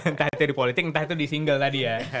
entah itu di politik entah itu di single tadi ya